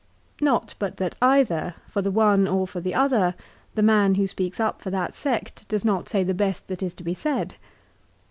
Not but that either, for the one or for the other, the man who speaks up for that sect does not say the best that is to be said.